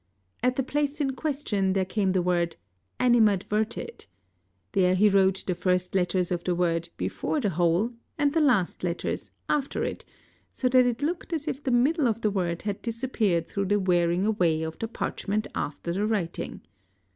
At the place in question there came | the word "animadverted," there he wrote the first letters of the word before the hole and the last letters after it, so that it looked as if the middle of the word had disappeared through the wearing away of the parchment after the writing.